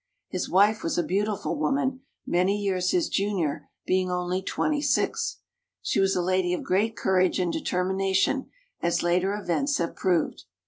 His wife was a beautiful woman, many years his junior, being only twenty six. She was a lady of great cour age and determination, as later events have proved.